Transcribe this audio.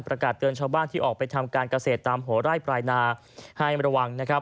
ประกาศเตือนชาวบ้านที่ออกไปทำการเกษตรตามหัวไร่ปลายนาให้ระวังนะครับ